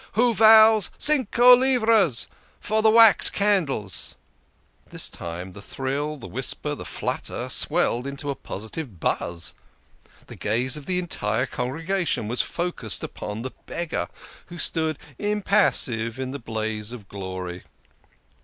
" Who vows cinco livras for the wax candles." 132 THE KING OF SCHNORRERS. This time the thrill, the whisper, the flutter, swelled into a positive buzz. The gaze of the entire congregation was focussed upon the Beggar, who stood impassive in the blaze of glory.